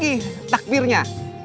ditambah lagi takdirnya